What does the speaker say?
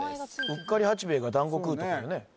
うっかり八兵衛がだんご食うとこよね